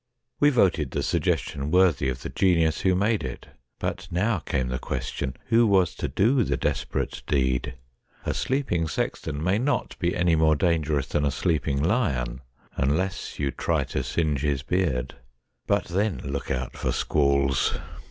We voted the suggestion worthy of the genius who made it. But now came the question, who was to do the desperate deed ? A sleeping sexton may not be any more dangerous than a sleeping lion unless you try to singe his beard. But then look out for squalls